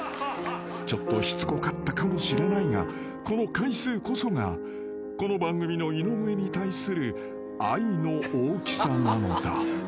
［ちょっとしつこかったかもしれないがこの回数こそがこの番組の井上に対する愛の大きさなのだ］